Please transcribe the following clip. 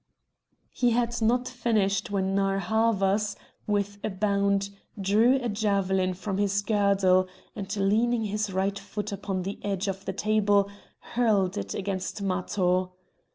He had not finished when Narr' Havas, with a bound, drew a javelin from his girdle, and, leaning his right foot upon the edge of the table, hurled it against Matho.